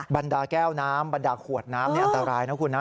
บรรดาแก้วน้ำบรรดาขวดน้ำนี่อันตรายนะคุณนะ